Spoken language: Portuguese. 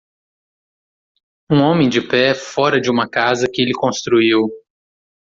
um homem de pé fora de uma casa que ele construiu